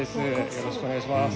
よろしくお願いします。